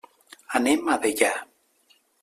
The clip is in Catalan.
Anem a Deià.